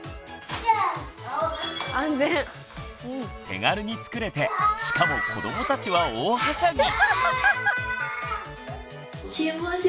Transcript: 手軽に作れてしかも子どもたちは大はしゃぎ。